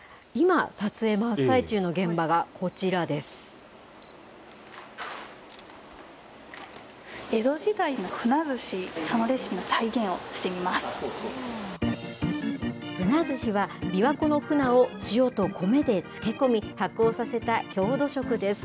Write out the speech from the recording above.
今、撮影真っ最中の現場がこちらふなずしは、琵琶湖のふなを塩と米で漬け込み、発酵させた郷土食です。